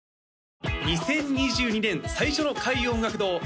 ２０２２年最初の開運音楽堂